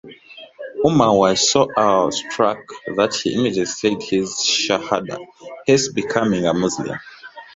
Umayr was so awe-struck that he immediately said his shahada, hence becoming a Muslim.